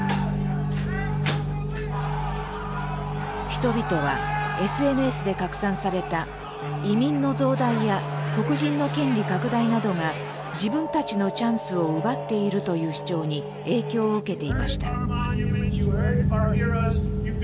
人々はＳＮＳで拡散された「移民の増大や黒人の権利拡大などが自分たちのチャンスを奪っている」という主張に影響を受けていました。